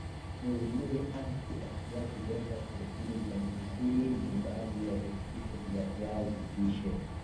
nyuzinyuzi anti oksidanti beta karotini vitamini c ni baadhi ya virutubisho vya kiazi lishe